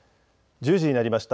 １０時になりました。